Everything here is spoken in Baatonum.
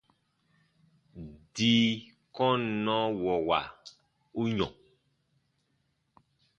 Dii kɔnnɔwɔwa u yɔ̃.